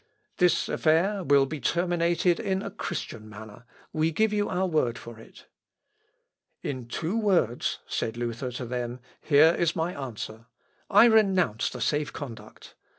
"This affair will be terminated in a Christian manner; we give you our word for it." "In two words," said Luther to them, "here is my answer: I renounce the safe conduct.